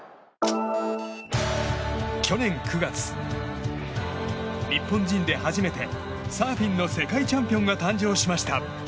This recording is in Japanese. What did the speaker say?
去年９月、日本人で初めてサーフィンの世界チャンピオンが誕生しました。